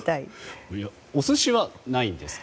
お寿司はないんですか？